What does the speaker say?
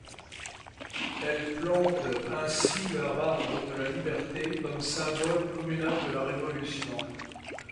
Elles plantent ainsi leurs arbre de la liberté, comme symbole communal de la Révolution.